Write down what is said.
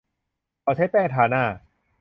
เขาใช้แป้งทาหน้า